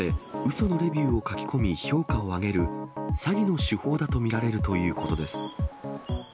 そのレビューを書き込み、評価を上げる詐欺の手法だと見られるということです。